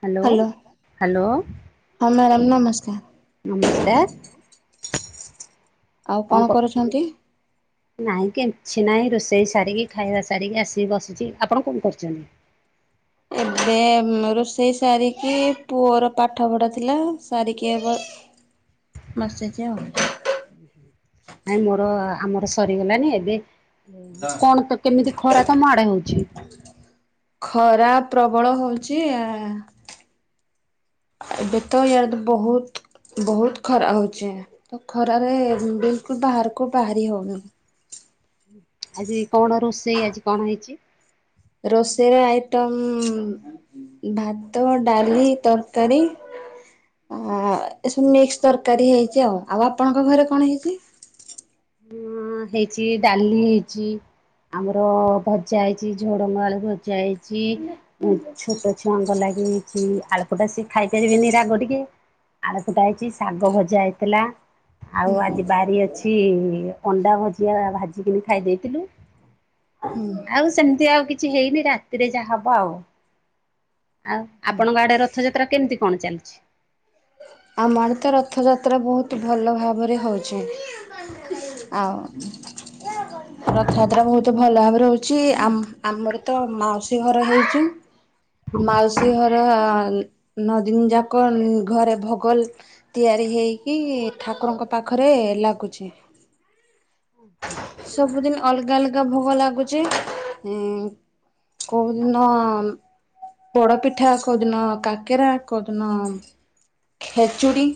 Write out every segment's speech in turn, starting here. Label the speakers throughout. Speaker 1: Hello
Speaker 2: hello
Speaker 1: hello.
Speaker 2: ହଁ madam ନମସ୍କାର।
Speaker 1: ନମସ୍କାର।
Speaker 2: ଆଉ କଣ କରୁଚନ୍ତି।
Speaker 1: ନାହିଁ କିମଛି ନାହିଁ ରୋଷେଇ ସାରିକି ଖାଇବା ସାରିକି ଆସିକି ବସିଚି ଆପଣ କଣ କରୁଚନ୍ତି?
Speaker 2: ଏବେ ରୋଷେଇ ସାରିକି ପୁଅର ପାଠପଢ଼ା ଥିଲା ସାରିକି ଏ ବସିଚି ଆଉ।
Speaker 1: ହୁ ହୁଁ। ନାଇଁ ମୋର ଆମର ସରିଗଲାଣିି ଏବେ କଣ ତ କେମିତି ଖରା ତମ ଆଡେ ହଉଚି?
Speaker 2: ଖରା ପ୍ରବଳ ହଉଚି ଆ। ଏବେ ତ ଇଆଡେ ତ ବହୁତ ବହୁତ ଖରା ହଉଚି। ତ ଖରାରେ ବିଲକୁଲ ବାହାରକୁ ବାହାରି ହଉନି।
Speaker 1: ଆଜି କଣ ରୋଷେଇ ଆଜି କଣ ହେଇଚି?
Speaker 2: ରୋଷେଇର ଆଇଟମ୍ ଭାତ ଡାଲି ତରକାରୀ। ଏସବୁ ମିକ୍ସ ତରକାରୀ ହେଇଚି ଆଉ ଆଉ ଆପଣଙ୍କ ଘରେ କଣ ହେଇଚି?
Speaker 1: ହ ହେଇଚି ଡାଲି ହେଇଚି। ଆମର ଭଜା ହେଇଚି ଝୁଡ଼ଙ୍ଗ ଆଳୁ ଭଜା ହେଇଚି। ଛୋଟ ଛୁଆଙ୍କ ଲାଗି ହୋଇଚି ଆଳପଟା ସେ ଖାଇପାରିବେନି ରାଗ ଟିକେ। ଆଳୁ ଖଟା ହେଇଚି ଶାଗ ଭଜା ହେଇଥିଲା। ଆଉ ଆଜି ବାରି ଅଛି ଅଣ୍ଡା ଭଜିଆ ଭାଜିିକିନି ଖାଇ ଦେଇଥିଲୁ।
Speaker 2: ହୁଁ।
Speaker 1: ଆଉ ସେମିତି ଆଉ କିଛି ହେଇନି ରାତିରେ ଯାହା ହବ ଆଉ। ଆଉ ଆପଣଙ୍କ ଆଡେ ର ଥଯାତ୍ରା କେମିତି କଣ ଚାଲିଚି।
Speaker 2: ଆମ ଆଡେ ତ ରଥଯାତ୍ରା ବହୁତ ଭଲ ଭାବରେ ହଉଚି। ଆଉ। ରଥଯାତ୍ରା ବହୁତ ଭଲ ଭାବରେ ହୋଇଚି ଆ ଆମର ତ ମାଉସୀ ଘର ହେଇଚୁ। ମାଉସୀ ଘର ନଦିନ ଯାକ ଘରେ ଭୋଗଲ ତିଆରି ହେଇକି ଠାକୁରଙ୍କ ପାଖରେ ଲାଗୁଚି। ସବୁଦିନ ଅଲଗା ଅଲଗା ଭୋଗ ଲାଗୁଚେ ଉ କଉଦିନ ପୋଡ ପିଠା କୋଉଦିନ କାକେରା କୋଉଦିନ ଖେଚୁଡି।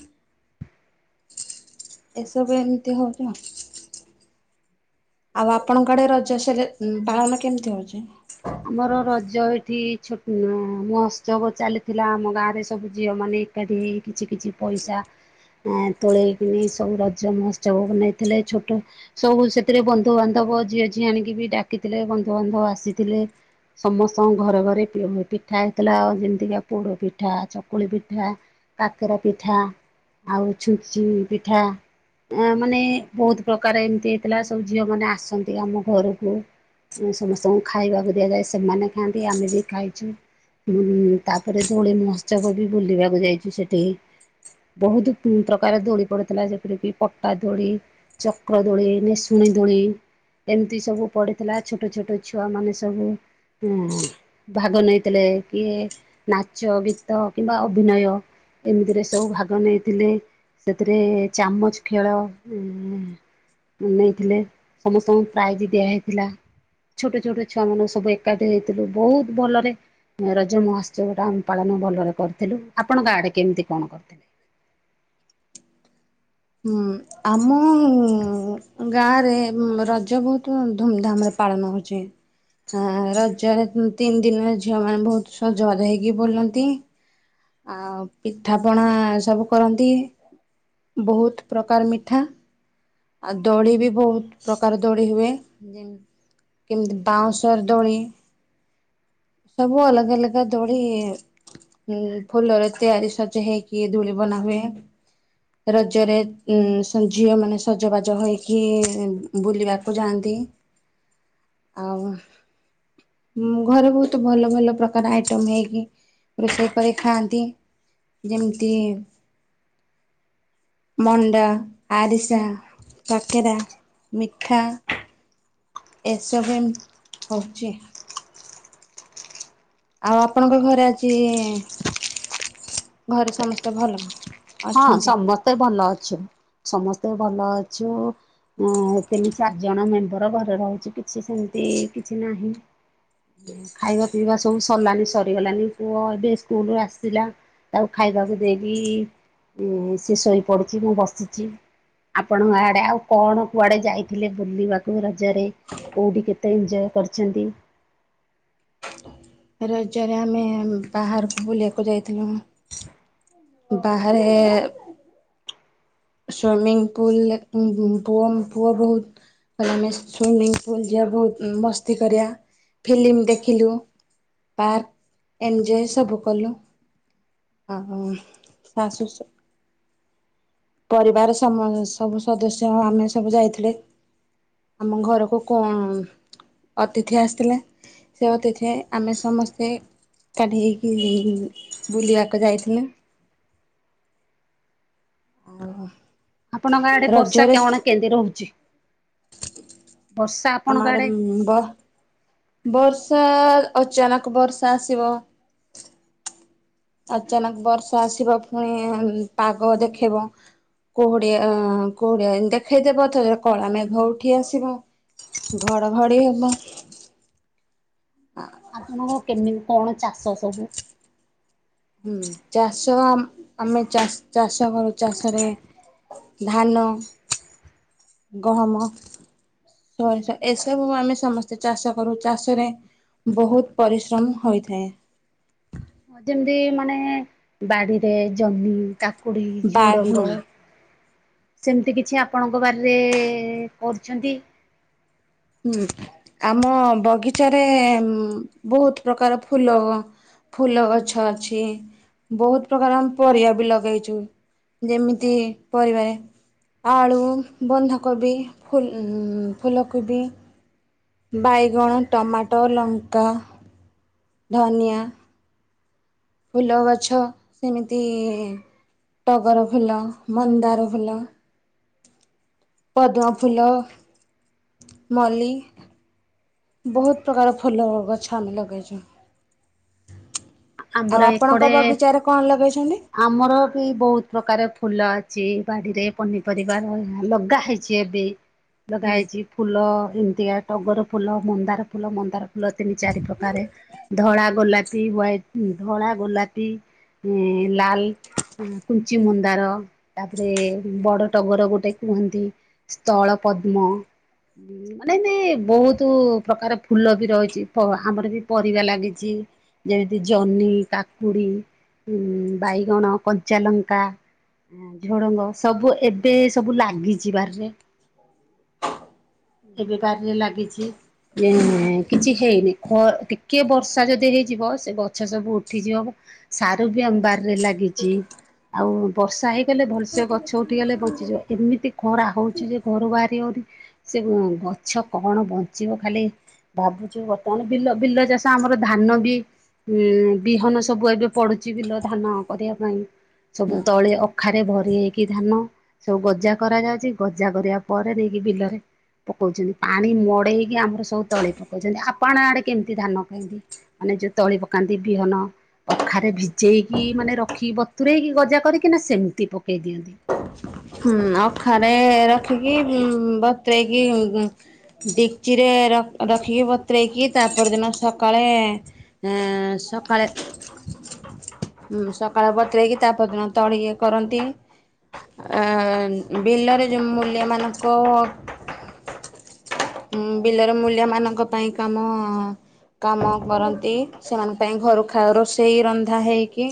Speaker 2: ଏସବୁ ଏମ୍ତି ହଉଚି ଆ ଆଉ ଆପଣଙ୍କ ଆଡ଼େ ରଜ ସେଲେ ପାଳନ କେମ୍ତି ହଉଚି।
Speaker 1: ଆମର ରଜ ଏଠି ଛୋଟ୍ ଅ ମହୋତ୍ସବ ଚାଲିଥିଲା ଆମ ଗାଁ ରେ ସବୁ ଜିଅ ମାନେ ଏକାଠି ହେଇ କିଛି କିଛି ପଇସା ଆଁ ତୋଳେଇକିନି ସବୁ ରଜ ମୋହୋତ୍ସବ ବନେଇଥିଲେ ଛୋଟ ସବୁ ସେତିରେ ବନ୍ଧୁବାନ୍ଧବ ଝିଅ ଝିଆଣିକି ବି ଡାକିଥିଲେ ବନ୍ଧୁବାନ୍ଧଅ ଆସିଥିଲେ। ସମସ୍ତଙ୍କ ଘରେ ଘରେ ପ୍ରିୟ ହୁଏ ପିଠା ହେଇଥିଲା ଅ ଯେମ୍ତିକା ପୋଡ଼ ପିଠା ଚକୁଳି ପିଠା। କାକେରା ପିଠା ଆଉ ଛୁଞ୍ଚି ପିଠା। ଏଁ ମାନେ ବହୁତ୍ ପ୍ରକାର ଏମ୍ତି ହେଇଥିଲା ସବୁ ଝିଅ ମାନେ ଆସନ୍ତି ଆମ ଘରକୁ। ଚେଁ ସମସ୍ତଙ୍କୁ ଖାଇବାକୁ ଦିଆଯାଏ ସେମାନେ ଖାଆନ୍ତି ଆମେ ବି ଖାଇଚୁ। ଉଁ ହୁଁ ତାପରେ ଦୋଳି ମହୋତ୍ସବ ବି ବୁଲିବାକୁ ଯାଇଚୁ ସେଠିକି। ବହୁତୁ ପୁ ପ୍ରକାର ଦୋଡ଼ି ପଡ଼ିଥିଲା ଯେପରିକି ପଟା ଦୋଳି। ଚକ୍ର ଦୋଳି ନେସୁଣୀ ଦୁଳି ଏମ୍ତି ସବୁ ପଡ଼ିଥିଲା ଛୋଟ ଛୋଟ ଛୁଆ ମାନେ ସ ସବୁ ଉଁ ଭାଗ ନେଇତିଲେ କିଏ ନାଚ ଗୀତ କିମ୍ବା ଅଭିନୟ ଏମିତି ରେ ସବୁ ଭାଗ ନେଇଥିଲେ। ସେତିରେ ଚାମଚ୍ ଖେଳ ଉ ନେଇଥିଲେ ସମସ୍ତଙ୍କୁ ପ୍ରାଇଜ୍ ଦିଆ ହେଇଥିଲା ଛୋଟ ଛୋଟ ଛୁଆ ମାନୁ ସବୁ ଏକାଟି ହେଇଥିଲୁ ବହୁତ୍ ଭଲରେ ରଜ ମୋହୋତ୍ସବ ଟା ଆମ ପାଳନ ଭଲରେ କରିଥିଲୁ ଆପଣଙ୍କ ଆଡ଼େ କେମ୍ତି କଣ କର୍ଥିଲେ।
Speaker 2: ହୁଁ। ଆମ ଉଁ ଗାଁରେ ଉଁ ରଜ ବହୁତ୍ ଧୁମ୍ ଧାମ୍ ରେ ପାଳନ ହଉଚି। ଆଁ ରଜରେ ଉ ତିନ୍ ଦିନ୍ ରେ ଝିଅ ମାନେ ବହୁତ୍ ସଜ ବାଜ ହେଇକି ବୁଲନ୍ତି। ଆ ପିଠାପଣା ସବୁ କରନ୍ତି। ବହୁତ୍ ପ୍ରକାର୍ ମିଠା ଆ ଦୋଳି ବି ବହୁତ୍ ପ୍ରକାର ଦୋଳି ହୁଏ ଯେମ୍ କେମତିି ବାଉଁଶର୍ ଦୋଳି। ସବୁ ଅଲଗା ଅଲ୍ଗା ଦୋଳି ଉଁ ଫୁଲ ରେ ତିଆରି ସଜେ ହେଇକି ଦୋଳି ବନା ହୁଏ। ରଜରେ ଉଁ ଶୂନ୍ ଝିଅ ମାନେ ସଜବାଜ ହୋଇକି ବୁଲିବାକୁ ଯାଆନ୍ତି। ଆଉ ମୁଁ ଘରେ ବହୁତ୍ ଭଲ ଭଲ ପ୍ରକାର୍ ଆଇଟମ୍ ହେଇକି ରୋଷେଇ କରି ଖାଆନ୍ତି ଯେମ୍ତିି ମଣ୍ଡା ଆରିସା କାକେରା ମିଠା। ଏସବୁ ଏମ୍ ହଉଚି। ଆଉ ଆପଣଙ୍କ ଘରେ ଆଜି ଘରେ ସମସ୍ତେ ଭଲ।
Speaker 1: ହଁ
Speaker 2: ଅଛନ୍ତି
Speaker 1: ସମସ୍ତେ ଭଲ ଅଛୁ ସମସ୍ତେ ଭଲ ଅଛୁ ଏଁ ତିନି ଚାର୍ ଜଣ ମେମ୍ବର ଘରେ ରହୁଛି କିଛି ସେମ୍ତି କିଛି ନାହିଁ। ଖାଇବା ପିଇବା ସବୁ ସର୍ଲାନି ସରିଗଲାନି ପୁଅ ଏବେ ସ୍କୁଲୁରୁ ଆସିଲା। ତାକୁ ଖାଇବାକୁ ଦେଇକି ଉଁ ସିଏ ଶୋଇ ପଡ଼ୁଚି ମୁଁ ବସିଚି। ଆପଣଙ୍କ ଆଡ଼େ ଆଉ କଣ କୁଆଡ଼େ ଯାଇଥିଲେ ବୁଲିବାକୁ ରଜରେ? କୋଉଟି କେତେ ଏଞ୍ଜେୟ କରିଛନ୍ତି?
Speaker 2: ରଜରେ ଆମେ ବାହାରକୁ ବୁଲିବାକୁ ଯାଇଥିଲୁ। ବାହାରେ ସୁଇମିଂ ପୁଲ୍ଲ ରେ ଉଁ ବୁ ପୁଅ ମୋ ପୁଅ ବହୁ କଇଲା ଆମେ ଶୁଇମିଙ୍ଗ୍ ପୁଲ୍ ଯିବା ବହୁତ୍ ମସ୍ତି କରିବା ଫିଲିମ୍ ଦେଖିଲୁ। ପାର୍କ ଏଞୟ ସବୁ କଲୁ। ଆ ଉ ସାଶ୍ ଶୁଶୁ ପରିବାର୍ ସମ ସବୁ ସଦସ୍ୟ ହଁ ଆମେ ସବୁ ଯାଇଥିଲେ। ଆମ ଘରକୁ କଣ ଅତିଥି ଆସିଥିଲେ। ସେ ଅତିଥି ଆମେ ସମସ୍ତେ ଏକାଠି ହେଇକି ବୁଲିବାକୁ ଯାଇଥିଲୁ। ଓ ହୋ।
Speaker 1: ଆପଣଙ୍କ ଆଡେ ବର୍ଷା କଣ କେମିତି ରହୁଛି? ବର୍ଷା
Speaker 2: ଆମ
Speaker 1: ଆପଣଙ୍କ
Speaker 2: ଆଡେ ବ ବର୍ଷା ଅଚାନକ ବର୍ଷା ଆସିବ। ଅଚାନକ ବର୍ଷା ଆସିବ ଫୁଣି ପାଗ ଦେଖେଇବ। କୁହୁଡିଆ କୁହୁଡିଆ ଦେଖେଇଦବ ତଥ କଳା ମେଘ ଉଠି ଆସିବ। ଘଡଘଡି ହେବ।
Speaker 1: ଆପଣଙ୍କ କେମିତି କଣ ଚାଷ ସବୁ?
Speaker 2: ହୁଁ ଚାଷ ଆମ୍ ଆମେ ଚାଷ କରୁ ଚାଷରେ। ଧାନ, ଗହମ। ସୋରିଷ ଏସବୁ ଆମେ ସମସ୍ତେ ଚାଷ କରୁ ଚାଷରେ। ବହୁତ ପରିଶ୍ରମ ହୋଇଥାଏ।
Speaker 1: ଏ ଯେମିତି ମାନେ ବାଡିରେ ଜହ୍ନି କାକୁଡି,
Speaker 2: ବା
Speaker 1: ଝୁଡଙ୍ଗ।
Speaker 2: ହୁଁ
Speaker 1: ସେମିତି କିଛି ଆପଣଙ୍କ ବାରିରେ କରୁଛନ୍ତି?
Speaker 2: ହୁଁ ଆମ ବଗିଚାରେ ବହୁତ ପ୍ରକାର ଫୁଲ। ଫୁଲ ଗଛ ଅଛି, ବହୁତ ପ୍ରକାର ଆମେ ପରିବା ବି ଲଗେଇଛୁ। ଯେମିତି ପରିବାରେ ଆଳୁ, ବନ୍ଧକୋବି, ଫୁଲ ଫୁଲକୋବି। ବାଇଗଣ, ଟମାଟୋ, ଲଙ୍କା। ଧନିଆ। ଫୁଲ ଗଛ ସେମିତି ଟଗର ଫୁଲ, ମନ୍ଦାର ଫୁଲ ପଦ୍ମ ଫୁଲ, ମଲ୍ଲି। ବହୁତ ପ୍ରକାରର ଫୁଲ ଗଛ ଆମେ ଲଗେଇଛୁ।
Speaker 1: ଆମର
Speaker 2: ଆଉ ଆପଣଙ୍କ
Speaker 1: ଏକଡେ
Speaker 2: ବଗିଚାରେ କଣ ଲଗେଇଛନ୍ତି?
Speaker 1: ଆମର ବି ବହୁତ ପ୍ରକାର ଫୁଲ ଅଛି ବାଡ଼ିରେ ପନିପରିବାର ହରା ଲଗା ହେଇଛି ଏବେ।
Speaker 2: [inaudible]
Speaker 1: ଲଗା ହେଇଛି। ଫୁଲ ଏମିତିକା ଟଗର ଫୁଲ, ମନ୍ଦାର ଫୁଲ, ମନ୍ଦାର ଫୁଲ ତିନି ଚାରି ପ୍ରକାରେ। ଧଳା, ଗୋଲାପି, ହୱାଇଟ୍। ଧଳା, ଗୋଲାପି, ଏ ଲାଲ, କୁଞ୍ଚି ମୁନ୍ଦାର। ତାପରେ ବଡ ଟଗର ଗୋଟେ କୁହନ୍ତି, ସ୍ଥଳ ପଦ୍ମ ଉଁ ମା ନାଇଁ ନାଇଁ ବହୁତ ପ୍ରକାର ଫୁଲ ବି ରହିଛି ପ ଆମର ବି ପରିବା ଲାଗିଛି। ଯେମିତି ଜହ୍ନି, କାକୁଡ଼ି, ବାଇଗଣ, କଞ୍ଚାଲଙ୍କା। ଝୁଡଙ୍ଗ ସବୁ ଏବେ ସବୁ ଲାଗିଛି ବାରିରେ।
Speaker 2: [inaudible]
Speaker 1: ଏବେ ବାରିରେ ଲାଗିଛି ଏ କିଛି ହେଇନି। ଖ କିଏ ବର୍ଷା ଯଦି ହେଇଯିବ। ସେ ଗଛ ସବୁ ଉଠିଯିବ ସାର ବି ଆମ ବାରିରେ ଲାଗିଛି ଆଉ ବର୍ଷା ହେଇ ଲେ ଭଲସେ ଗଛ ଉଠିଗଲେ ବଞ୍ଚିଯିବ ଏମିତି ଖରା ହଉଛି ଯେ ଘରୁ ବାହାରି ଆହୁରି ସେ ଗଛ କଣ ବଞ୍ଚିବ ଖାଲି ଭାବୁଛୁ ବର୍ତ୍ତମାନ ବିଲ ବିଲ ଚାଷ ଆମର ଧାନ ବି ଉଁ ବିହନ ସବୁ ଏବେ ପଡୁଛି ବିଲ ଧାନ କରିବା ପାଇଁ ସବୁ ତଳି ଅଖାରେ ଭରି ହେଇକି ଧାନ ସବୁ ଗଜା କରାଯାଉଛି ଗଜା କରିବା ପରେ ନେଇକି ବିଲରେ ପକଉଛନ୍ତି ପାଣି ମଡେଇକି ଆମର ସବୁ ତଳେ ପକଉଛନ୍ତି ଆପଣ ଆଡେ କେମିତି ଧାନ କେମତି ମାନେ ଯୋଉ ତଳି ପକାନ୍ତି ବିହନ ଅଖାରେ ଭିଜେଇକି ମାନେ ରଖିବ ବତୂରେଇକି ଗଜା କରିକିନା ସେମିତି ପକାଇ ଦିଅନ୍ତି।
Speaker 2: ହୁଁ, ଅଖାରେ ରଖିକି ବତ୍ରେଇକି ଡ଼ିକ୍ଚିରେ ରଖିକି ବତ୍ରାଇକି ତାପର ଦିନ ସକାଳେ ଏଁ ସକାଳେ ହୁଁ ସକାଳେ ବତରାଇ କି ତାପର ଦିନ ତଳି ଇଏ କରନ୍ତି। ବିଲରେ ଯ ମୂଲ୍ୟାମାନଙ୍କ [inaudible] ବିଲରେ ମୂଲ୍ୟାମାନଙ୍କ ପାଇଁ କାମ କାମ କରନ୍ତି ସେମାନଙ୍କ ପାଇଁ ଘରୁ ଖାଦ୍ୟ ରୋଷେଇ ରନ୍ଧା ହେଇକି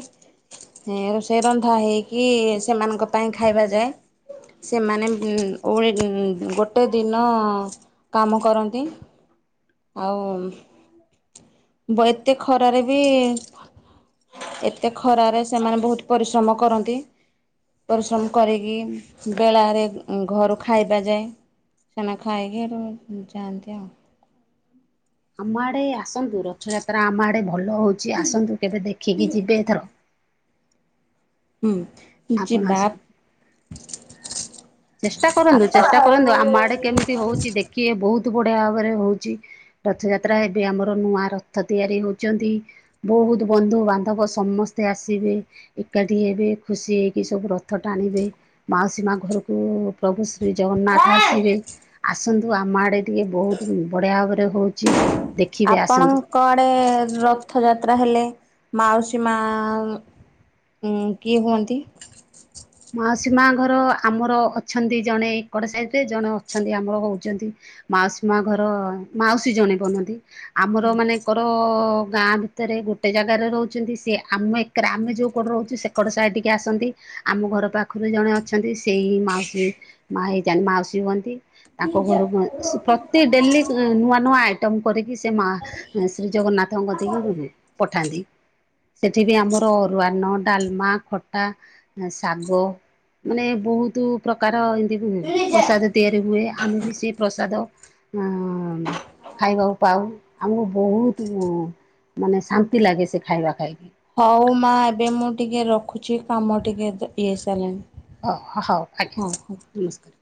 Speaker 2: ଏଁ ରୋଷେଇ ରନ୍ଧା ହେଇକି ସେମାନଙ୍କ ପାଇଁ ଖାଇବା ଯାଏ। ସେମାନେ ଓଳି ଗୋଟେ ଦିନ କାମ କରନ୍ତି ଆଉ ବତ୍‌ ଏତେ ଖରାରେ ବି ଏତେ ଖରାରେ ସେମାନେ ବହୁତ ପରିଶ୍ରମ କରନ୍ତି। ପରିଶ୍ରମ କରିକି ବେଳାରେ ଘରୁ ଖାଇବା ଯାଏ। ସେମାନେ ଖାଇକି ଯାଆନ୍ତି ଆଉ।
Speaker 1: ଆମ ଆଡ଼େ ଆସନ୍ତୁ ରଥଯାତ୍ରା ଆମ ଆଡ଼େ ଭଲ ହଉଛି ଆସନ୍ତୁ କେବେ ଦେଖିକି ଯିବେ ଏଥର।
Speaker 2: ହୁଁ,
Speaker 1: ଆପଣ
Speaker 2: ଯିବା।
Speaker 1: ଆସନ୍ତୁ। ଚେଷ୍ଟା କରନ୍ତୁ ଚେଷ୍ଟା କରନ୍ତୁ ଆମ ଆଡ଼େ କେମିତ
Speaker 2: ଆଉ
Speaker 1: ହଉଛି ଦେଖିବେ ବହୁତ ବଢ଼ିଆ ଭାବରେ ହେଉଛି। ରଥଯାତ୍ରା ଏବେ ଆମର ନୂଆ ରଥ ତିଆରି ହଉଛନ୍ତି। ବହୁତ ବନ୍ଧୁବାନ୍ଧବ ସମସ୍ତେ ଆସିବେ। ଏକାଠି ହେବେ ଖୁସି ହେଇକି ସବୁ ରଥ ଟାଣିବେ ମାଉସୀ ମା ଘରକୁ ତ ପ୍ରଭୁ ଶ୍ରୀ ଜଗନ୍ନାଥ ଆସିବେ ଆସନ୍ତୁ ଆମ ଆଡ଼େ ଟିକେ ବହୁତ ବଢ଼ିଆ ଭାବରେ ହଉଛି। ଦେଖିବେ ଆସନ୍ତୁ।
Speaker 2: ଆପଣଙ୍କ ଆଡ଼େ ରଥ ଯାତ୍ରା ହେଲେ ମାଉସୀ ମାଆଁ ହୁଁ, କିଏ ହୁଅନ୍ତି।
Speaker 1: ମାଉସୀ ମା ଘର ଆମର ଅଛନ୍ତି ଜଣେ ଏକର ସାଇଡ଼ରେ ଜଣେ ଅଛନ୍ତି ଆମର ହଉଛନ୍ତି ମାଉସୀ ମା ଘର ମାଉସୀ ଜଣେ ବନନ୍ତି ଆମର ମାନେ ତାଙ୍କର ଗାଁ ଭିତରେ ଗୋଟେ ଜାଗାରେ ରହୁଛନ୍ତି ସି ଆମ ଏକରେ ଆମେ ଯେଉଁ କଡ଼ରହୁଛୁ ସେ କଡ଼ ସାହି ଟିକେ ଆସନ୍ତି। ଆମ ଘର ପାଖରୁ ଜଣେ ଅଛନ୍ତି ସେଇ ମାଉସୀ ମା ହେଇ ମାଉସୀ ହୁଅନ୍ତି। ତାଙ୍କ ଘରକୁ ପ୍ରତି ଡେଲି ନୂଆ ନୂଆ ଆଇଟମ୍ ତମ କରିକି ସେ ମା ଶ୍ରୀ ଜଗନ୍ନାଥଙ୍କ ଦେଇକି ପଠାନ୍ତି। ସେଠି ବି ଆମର ଅରୁଆନ, ଡ଼ାଲମା, ଖଟା। ଶାଗ ମାନେ ବହୁତ ପ୍ରକାର ଏମତି ପ୍ରସାଦ ତିଆରି ହୁଏ ଆମେ ବି ସେ ପ୍ରସାଦ ଖାଇବାକୁ ପାଉ। ଆମକୁ ବହୁତ ମାନେ ଶାନ୍ତି ଲାଗେ ସେ ଖାଇବା ଖାଇକି।
Speaker 2: ହଉ ମା ଏବେ ମୁଁ ଟିକେ ରଖୁଛି କାମ ଟିକେ ଇଏ ସାରେ।
Speaker 1: ହଉ, ହଉ, ଆଜ୍ଞା ନମସ୍କାର।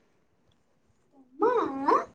Speaker 2: ହଁ [unintelligible]